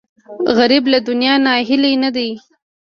غریب له دنیا ناهیلی نه دی